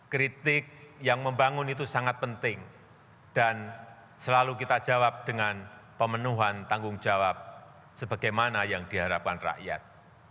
kritik yang membangun itu sangat penting dan selalu kita jawab dengan pemenuhan tanggung jawab sebagaimana yang diharapkan rakyat